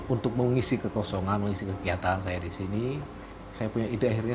untuk mengisi kekosongan mengisi kegiatan saya di sini saya punya ide akhirnya